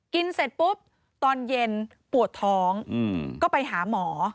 เสร็จปุ๊บตอนเย็นปวดท้องก็ไปหาหมอ